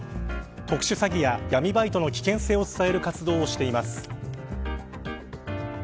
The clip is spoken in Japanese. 特殊詐欺や闇バイトの危険性を伝える活動をしています。